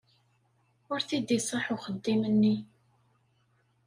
Ur t-id-iṣaḥ uxeddim-nni.